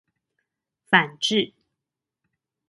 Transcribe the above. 反智